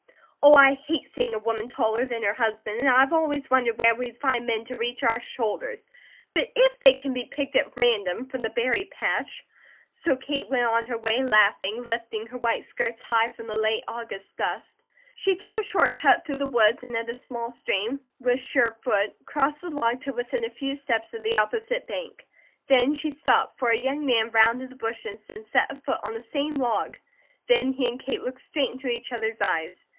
"Oh, I hate seeing a woman taller than her husband and I've always wondered where we'd find men to reach our shoulders. But if they can be picked at random from the berry patch " So Kate went on her way laughing, lifting her white skirts high from the late August dust. She took a short cut through the woods and at a small stream, with sure foot, crossed the log to within a few steps of the opposite bank. There she stopped, for a young man rounded the bushes and set a foot on the same log; then he and Kate looked straight into each other's eyes.